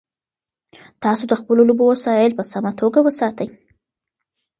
تاسو د خپلو لوبو وسایل په سمه توګه وساتئ.